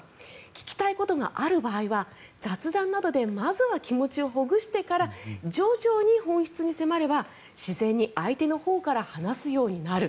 聞きたいことがある場合は雑談などでまずは気持ちをほぐしてから徐々に本質に迫れば自然に相手のほうから話すようになる。